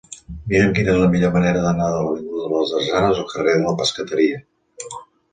Mira'm quina és la millor manera d'anar de l'avinguda de les Drassanes al carrer de la Pescateria.